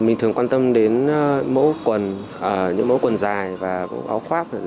mình thường quan tâm đến mẫu quần những mẫu quần dài và áo khoác